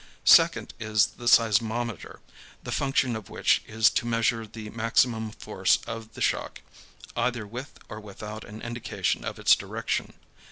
Second, is the seismometer, the function of which is to measure the maximum force of the shock, either with or without an indication of its direction.